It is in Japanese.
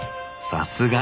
さすが！